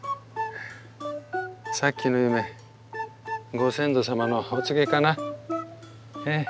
さっきの夢ご先祖様のお告げかな？